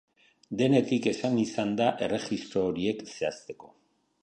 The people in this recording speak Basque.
Denetik esan izan da erregistro horiek zehazteko.